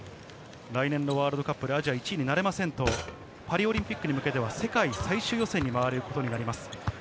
来年のワールドカップでアジア１位になれませんと、パリオリンピックに向けては、世界最終予選に回ることになります。